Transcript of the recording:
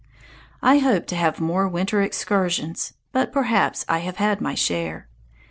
I hope to have more winter excursions, but perhaps I have had my share.